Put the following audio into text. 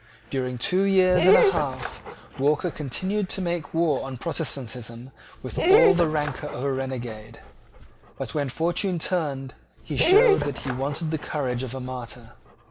During two years and a half, Walker continued to make war on Protestantism with all the rancour of a renegade: but when fortune turned he showed that he wanted the courage of a martyr.